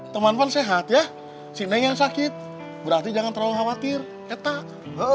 temen kan sehat ya si neng yang sakit berarti jangan terlalu khawatir ya tak